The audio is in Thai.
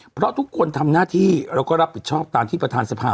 เพราะทุกคนทำหน้าที่แล้วก็รับผิดชอบตามที่ประธานสภา